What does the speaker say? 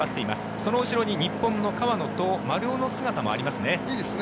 その後ろに日本の川野と丸尾の姿もありますね。